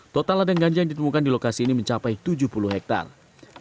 total ladang ganja yang ditemukan di lokasi ini mencapai tujuh puluh hektare